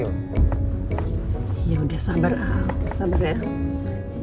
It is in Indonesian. yaudah sabar al